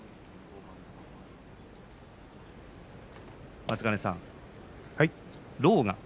松ヶ根さん、狼雅